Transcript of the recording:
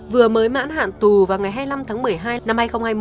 vừa mới mãn hạn tù vào ngày hai mươi năm tháng một mươi hai năm hai nghìn hai mươi